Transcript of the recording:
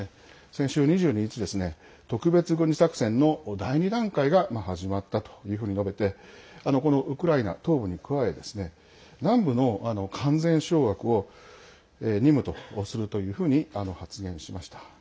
先週２２日特別軍事作戦の第２段階が始まったというふうに述べてこのウクライナ東部に加え南部の完全掌握を任務とするというふうに発言しました。